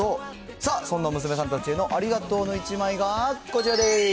さあ、そんな娘さんたちへのありがとうの１枚がこちらでーす。